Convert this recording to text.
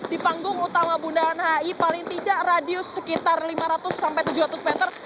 di panggung utama bundaran hi paling tidak radius sekitar lima ratus sampai tujuh ratus meter